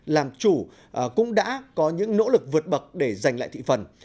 làm chủ cũng đã có những nỗ lực vượt bậc để giành lại thị phần